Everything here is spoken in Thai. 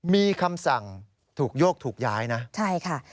มีคำสั่งถูกโยกถูกย้ายนะใช่ค่ะ